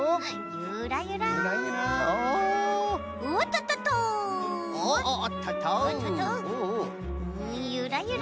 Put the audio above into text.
ゆらゆら。